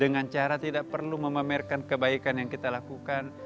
dengan cara tidak perlu memamerkan kebaikan yang kita lakukan